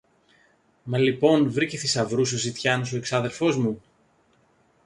Μα λοιπόν βρήκε θησαυρούς ο ζητιάνος ο εξάδελφος μου;